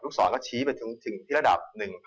ลูกศรก็ชี้ไปถึงที่ระดับ